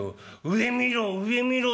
上見ろ